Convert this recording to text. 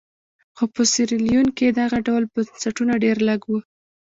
خو په سیریلیون کې دغه ډول بنسټونه ډېر لږ وو.